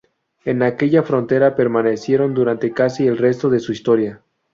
En aquella frontera permanecieron durante casi el resto de su historia.